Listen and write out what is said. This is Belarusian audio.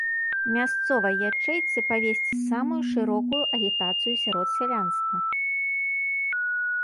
Мясцовай ячэйцы павесці самую шырокую агітацыю сярод сялянства.